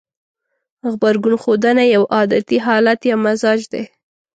غبرګون ښودنه يو عادتي حالت يا مزاج دی.